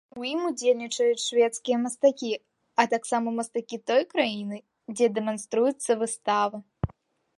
У ім удзельнічаюць шведскія мастакі, а таксама мастакі той краіны, дзе дэманструецца выстава.